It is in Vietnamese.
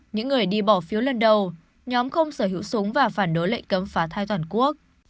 những người đi bỏ phiếu lần đầu nhóm không sở hữu súng và phản đối lệnh cấm phá thai toàn quốc